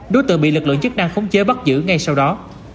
đối tượng bị lực lượng chức năng khống chế bắt giữ ngay sau đó